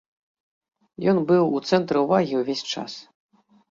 Ён быў у цэнтры ўвагі ўвесь час.